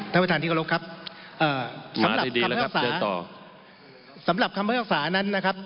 ท่านประธานธิกรกครับสำหรับคำพักษาสำหรับคำพักษานั้นนะครับ